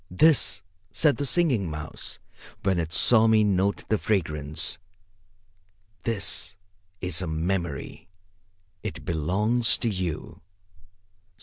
"This," said the Singing Mouse, when it saw me note the fragrance, "this is a Memory. It belongs to you.